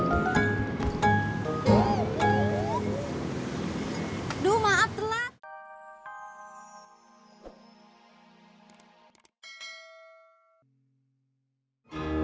aduh maaf telat